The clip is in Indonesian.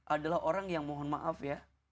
adalah orang yang mohon maaf ya